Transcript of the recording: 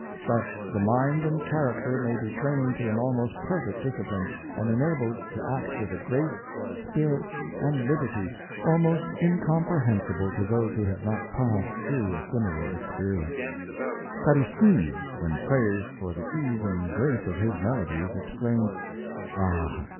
Thus the mind and charac ter may be trained to an almost perfect discipline, and enabled to act with a grace, spirit, and liberty, almost incomprehensible to those who have not passed through a similar experience. Clay — Cur ran. 315 Carissimi, when praised for the ease and grace of his melodies, exclaimed, "Ah!